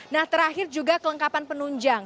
nah terakhir juga kelengkapan penunjang